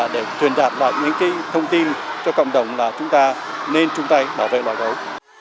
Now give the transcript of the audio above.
để truyền đạt lại những thông tin cho cộng đồng là chúng ta nên chung tay bảo vệ loài gấu